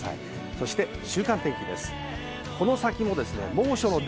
そして、週間天気です。